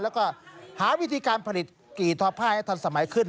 แล้วก็หาวิธีการผลิตกี่ทอผ้าให้ทันสมัยขึ้น